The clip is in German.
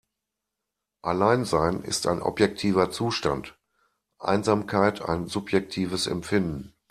Alleinsein ist ein objektiver Zustand, Einsamkeit ein subjektives Empfinden.